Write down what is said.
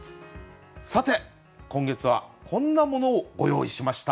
さて今月はこんなものをご用意しました。